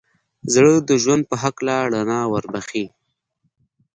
زړه د ژوند په هکله رڼا وربښي.